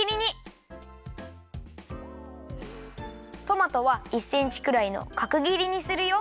トマトは１センチくらいのかくぎりにするよ。